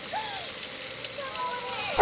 نه مو رخه د تاووس پېژنده